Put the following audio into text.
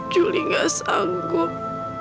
juli tidak sanggup